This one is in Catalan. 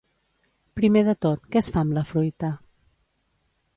Primer de tot, què es fa amb la fruita?